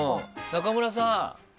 中村さん